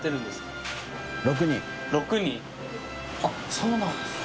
そうなんですね。